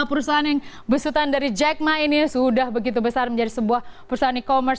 perusahaan yang besutan dari jack ma ini sudah begitu besar menjadi sebuah perusahaan e commerce